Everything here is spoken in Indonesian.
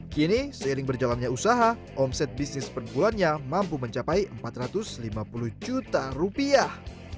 kini seiring berjalannya usaha omset bisnis per bulannya mampu mencapai empat ratus lima puluh juta rupiah